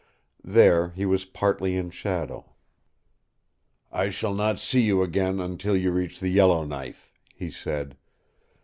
There he was partly in shadow. "I shall not see you again until you reach the Yellowknife," he said.